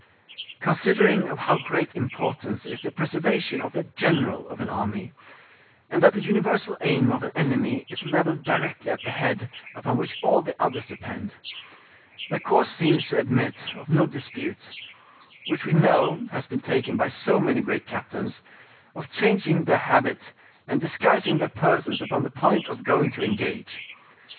Considering of how great importance is the preservation of the general of an army, and that the universal aim of an enemy is levelled directly at the head, upon which all the others depend, the course seems to admit of no dispute, which we know has been taken by so many great captains, of changing their habit and disguising their persons upon the point of going to engage.